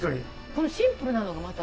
このシンプルなのがまた。